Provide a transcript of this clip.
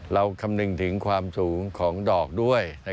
คำนึงถึงความสูงของดอกด้วย